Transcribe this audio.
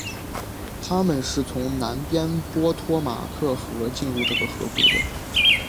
他们是从南边波托马克河进入这个河谷的。